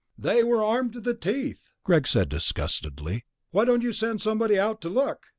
"They were armed to the teeth," Greg said disgustedly. "Why don't you send somebody out to look?"